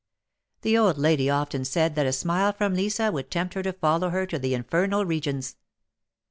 Tlie old lady often said that a smile from Lisa Avould tempt her to follow her to the infernal regions.